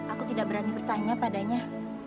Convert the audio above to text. aku tidak berani bertanya padanya